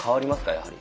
やはり。